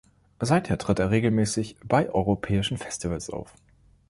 Seither tritt er regelmäßig bei europäischen Festivals auf.